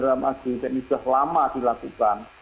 ramai yang sudah lama dilakukan